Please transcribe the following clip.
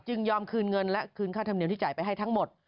ยอมคืนเงินและคืนค่าธรรมเนียมที่จ่ายไปให้ทั้งหมด